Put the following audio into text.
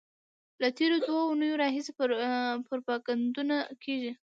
له تېرو دوو اونیو راهیسې پروپاګندونه کېږي.